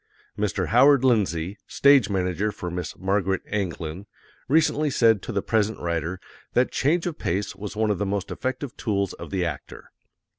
Mr. Howard Lindsay, Stage Manager for Miss Margaret Anglin, recently said to the present writer that change of pace was one of the most effective tools of the actor.